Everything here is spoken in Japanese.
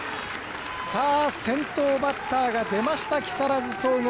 先頭バッターが出ました木更津総合。